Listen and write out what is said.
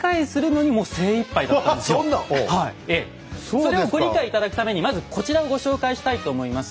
それをご理解頂くためにまずこちらをご紹介したいと思います。